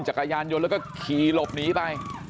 จักรยานยนต์แล้วก็ขี่หลบหนีไป